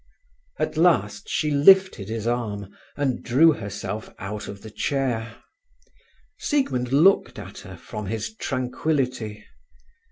At last she lifted his arm, and drew herself out of the chair. Siegmund looked at her from his tranquillity.